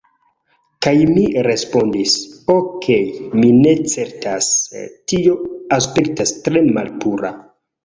Kaj mi respondis, "Okej' mi ne certas... tio aspektas tre malpura..."